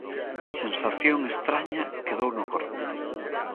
Sensación estraña quedou no corpo.